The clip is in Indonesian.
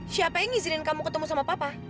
siapa yang ngizin kamu ketemu sama papa